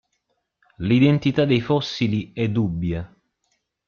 L'identità dei fossili è dubbia.